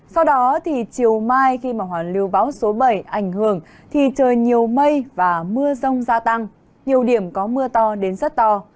sau đó thì chiều mai khi mà hoàn lưu bão số bảy ảnh hưởng thì trời nhiều mây và mưa rông gia tăng nhiều điểm có mưa to đến rất to